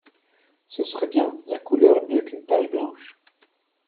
Ce serait bien, la couleur, mieux qu’une page blanche.